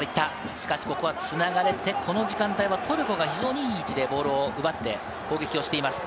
しかし、ここは繋がれて、この時間帯はトルコが非常にいい位置でボールを奪って攻撃しています。